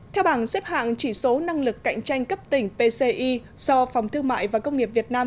theo bảng xếp hạng chỉ số năng lực cạnh tranh cấp tỉnh pci do phòng thương mại và công nghiệp việt nam